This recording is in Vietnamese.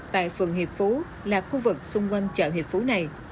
tại phường hiệp phú là khu vực xung quanh chợ hiệp phú này